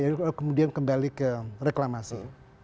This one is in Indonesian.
jadi kalau kemudian kembali ke reklamasi